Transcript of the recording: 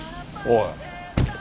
おい。